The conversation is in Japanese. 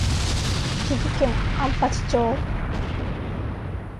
岐阜県安八町